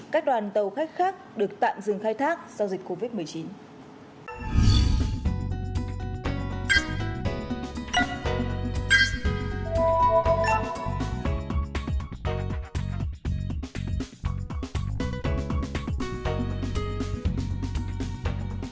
các đoàn tàu khách khác được tạm dừng khai thác sau dịch covid một mươi chín